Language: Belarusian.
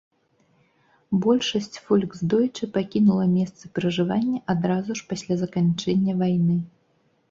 Большасць фольксдойчэ пакінула месцы пражывання адразу ж пасля заканчэння войны.